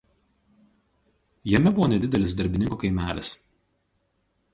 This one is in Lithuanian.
Jame buvo nedidelis darbininkų kaimelis.